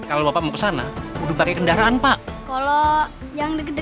adam kamu mau ngapain